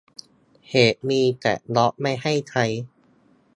เหตุมีแต่ล็อคไม่ให้ใช้